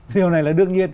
điều này là đương nhiên